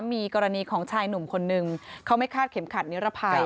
มีกรณีของชายหนุ่มคนนึงเขาไม่คาดเข็มขัดนิรภัย